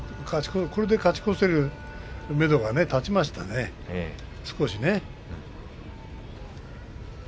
これで勝ち越せるめどが立ちましたね、少しね。